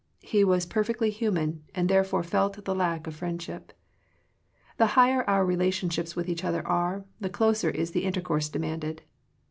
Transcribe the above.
He was perfectly hu man, and therefore felt the lack of friendship. The higher our relation ships with each other are, the closer is the intercourse demanded.